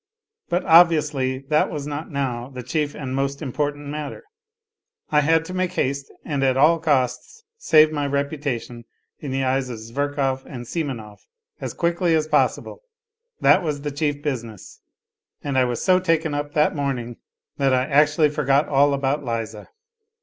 ... But obviously, that was not now the chief and the most important matter : I had to make haste and at all costs save my reputation in the eyes of Zverkov and Simonov as quickly as possible ; that was the chief business. And I was so taken up that morning that I actually forgot all about Liza.